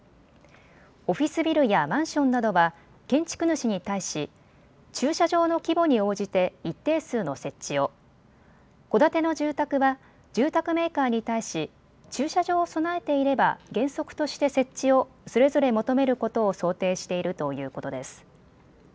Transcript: オフィスビルやマンションなどは建築主に対し駐車場の規模に応じて一定数の設置を、戸建ての住宅は住宅メーカーに対し駐車場を備えていれば原則として設置をそれぞれ求めることを想定しているということです。